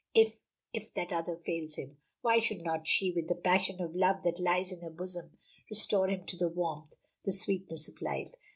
If if that other fails him, why should not she, with the passion of love that lies in her bosom, restore him to the warmth, the sweetness of life.